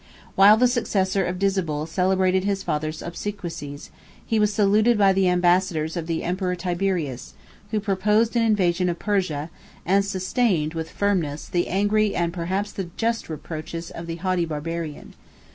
While the successor of Disabul celebrated his father's obsequies, he was saluted by the ambassadors of the emperor Tiberius, who proposed an invasion of Persia, and sustained, with firmness, the angry and perhaps the just reproaches of that haughty Barbarian.